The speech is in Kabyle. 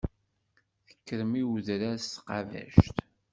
Tekkrem i wedrar s tqabact.